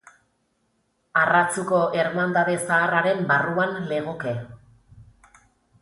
Arratzuko ermandade zaharraren barruan legoke.